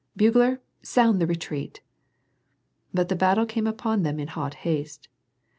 Bugler, sound the retreat I " But the battle came upon them in hot haste.